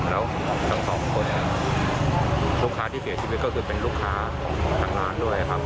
แล้วทั้งสองคนเนี่ยลูกค้าที่เสียชีวิตก็คือเป็นลูกค้าทางร้านด้วยครับ